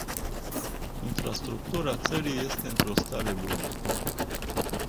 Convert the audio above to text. Infrastructura țării este într-o stare bună.